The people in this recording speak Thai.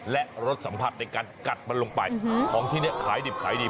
และรสสัมผัสในการกัดมันลงไปของที่นี้ขายดิบขายดี